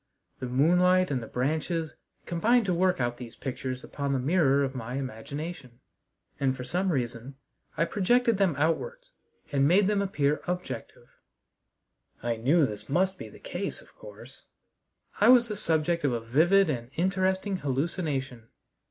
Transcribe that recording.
The moonlight and the branches combined to work out these pictures upon the mirror of my imagination, and for some reason I projected them outwards and made them appear objective. I knew this must be the case, of course. I was the subject of a vivid and interesting hallucination.